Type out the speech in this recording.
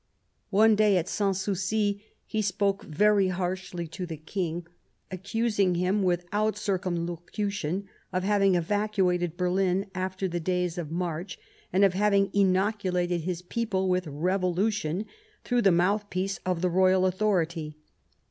" One day, at Sans Souci, he spoke very harshly to the King, accusing him without circumlocution of having evacuated Berlin after the days of March and of having inoculated his people with revolution through the mouthpiece of the royal authority.